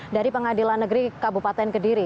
dari pengadilan negeri kabupaten kediri